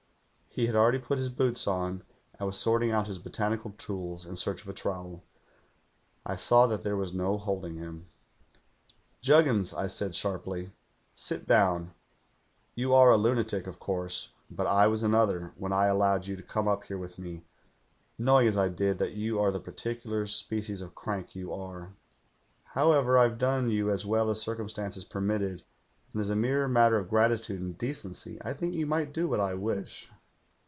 "He had already' put his boots on, and was sorting out his botanical tools in search of a trowel. I saw that there was no holding him. "'Juggins,' I said sharply. 'Sit down. You are a lunatic, of course, but I was another when I allowed you to come up here with me, knowing as I did that you are the particular species of crank you are. However, I've done you as well as circumstances permitted, and as a mere matter of gratitude and decency, I think you might do what I wish.'